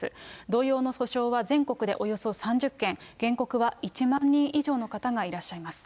同様の訴訟は全国でおよそ３０件、原告は１万人以上の方がいらっしゃいます。